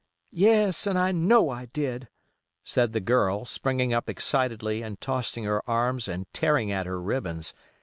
"Yes, and I know I did," said the girl, springing up excitedly and tossing her arms and tearing at her ribbons.